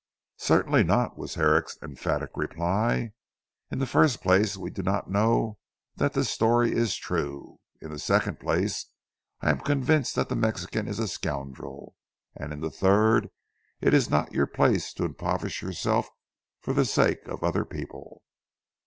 "Certainly not," was Herrick's emphatic reply. "In the first place we do not know that the story is true; in the second place I am convinced that the Mexican is a scoundrel, and in the third, it is not your place to impoverish yourself for the sake of other people."